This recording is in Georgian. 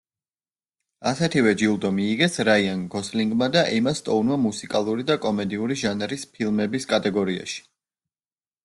ასეთივე ჯილდო მიიღეს რაიან გოსლინგმა და ემა სტოუნმა მუსიკალური და კომედიური ჟანრის ფილმების კატეგორიაში.